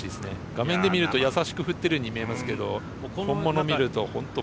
画面で見ると優しく振ってるように見えますけど本物見ると本当。